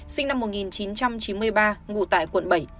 sinh năm một nghìn chín trăm chín mươi ba ngụ tại quận bảy